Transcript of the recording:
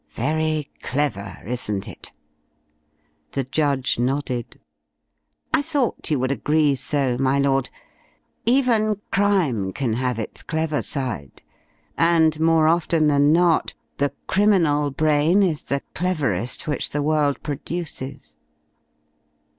Very clever, isn't it?" The judge nodded. "I thought you would agree so, my Lord. Even crime can have its clever side, and more often than not the criminal brain is the cleverest which the world produces.